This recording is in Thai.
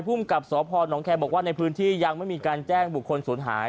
ภูมิกับสพนแคร์บอกว่าในพื้นที่ยังไม่มีการแจ้งบุคคลศูนย์หาย